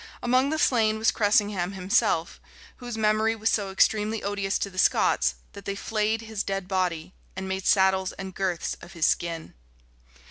[*] Among the slain was Cressingham himself, whose memory was so extremely odious to the Scots, that they flayed his dead body, and made saddles and girths of his skin.